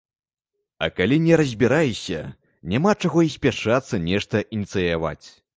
А калі не разбіраешся, няма чаго і спяшацца нешта ініцыяваць.